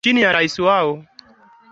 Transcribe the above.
lakini hakuiamini serikali hiyo ya Marekani